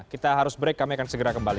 kita harus break kami akan segera kembali